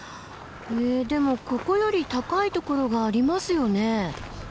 えでもここより高いところがありますよね？